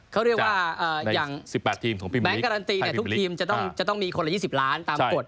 เขาเรียกว่าแบงก์การันตีทุกทีมจะต้องมีคนละ๒๐ล้านตามกฎ